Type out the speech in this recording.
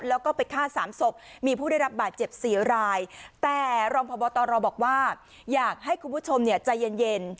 แล้วก็ไปฆ่าสามศพมีผู้ได้รับบาดเจ็บสี่รายแต่รองพบตรบอกว่าอยากให้คุณผู้ชมเนี่ยใจเย็นเย็น